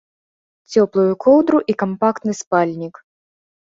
Цёплую коўдру і кампактны спальнік.